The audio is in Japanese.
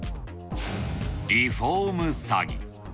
リフォーム詐欺。